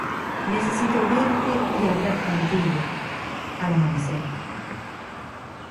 necesito verte y hablar contigo. al amanecer.